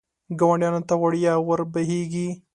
ګاونډیانو ته وړیا ور بهېږي.